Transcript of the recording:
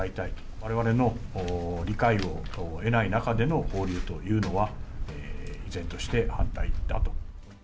われわれの理解を得ない中での放流というのは、依然として反対だと。